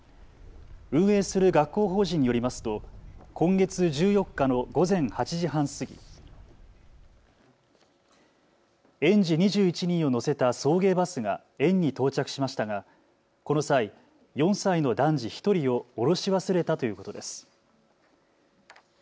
運営する学校法人によりますと今月１４日の午前８時半過ぎ、園児２１人を乗せた送迎バスが園に到着しましたがこの際、４歳の男児１人を降ろし忘れたということです。